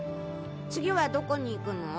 次はどこに行くの？